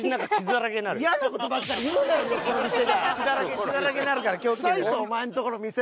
血だらけ血だらけなるから気を付けてな。